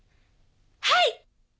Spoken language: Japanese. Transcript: はい！